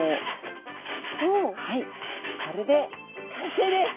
はいこれで完成です！